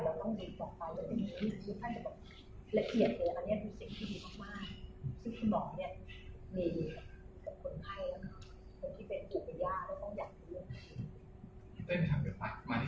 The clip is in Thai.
ตอนนี้เป็นแบบนี้แต่ต่อไปเราก็ต้องยืนต่อไปแล้วเป็นแบบนี้